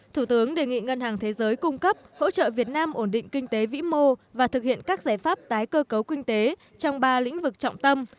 thủ tướng đề nghị ngân hàng thế giới cung cấp hỗ trợ việt nam ổn định kinh tế vĩ mô và thực hiện các giải pháp tái cơ cấu kinh tế trong ba lĩnh vực trọng tâm